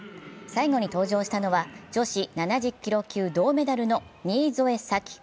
最後に登場したのは女子７０キロ級銅メダルの新添左季。